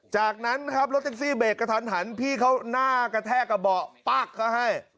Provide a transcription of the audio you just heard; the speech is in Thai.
จากนั้นนะครับรถแท็กซี่เบรกกระทันหันพี่เขาหน้ากระแทกกระเบาะปั๊กเขาให้